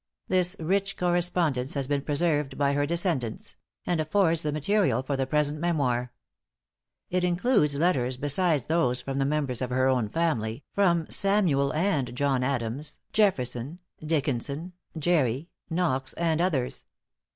This rich correspondence has been preserved by her descendants; and affords the material for the present memoir. It includes letters, besides those from members of her own family, from Samuel and John Adams, Jefferson, Dickinson, Gerry, Knox and others.